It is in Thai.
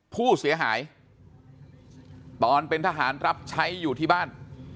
ผู้เสียหายตอนเป็นทหารรับใช้อยู่ที่บ้าน